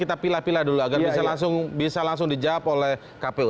kita pilah pilah dulu agar bisa langsung dijawab oleh kpu